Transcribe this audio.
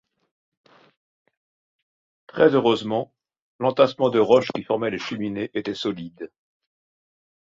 Très-heureusement, l’entassement de roches qui formait les Cheminées était solide.